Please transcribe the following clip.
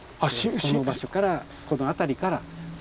この場所からこの辺りから出土したと。